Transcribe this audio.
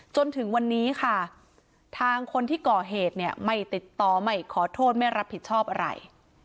จนถึงวันนี้ค่ะทางคนที่ก่อเหตุเนี่ยไม่ติดต่อไม่ขอโทษไม่รับผิดชอบอะไร